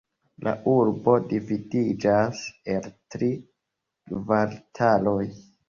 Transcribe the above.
La urbo dividiĝas el tri kvartaloj.